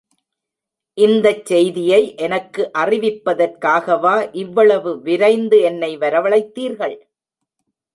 இந்தச் செய்தியை எனக்கு அறிவிப்பதற்காகவா இவ்வளவு விரைந்து என்னை வரவழைத்தீர்கள்?